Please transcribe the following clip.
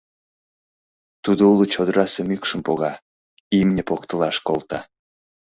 Тудо уло чодырасе мӱкшым пога, имне поктылаш колта.